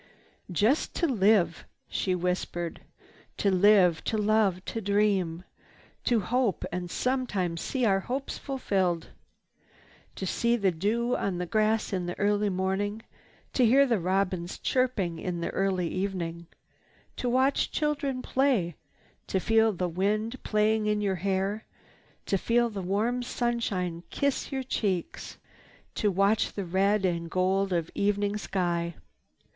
"Just to live," she whispered, "to live, to love, to dream, to hope and sometimes see our hopes fulfilled! To see the dew on the grass in the early morning, to hear the robins chirping in the early evening, to watch children play, to feel the wind playing in your hair, to feel the warm sunshine kiss your cheeks, to watch the red and gold of evening sky.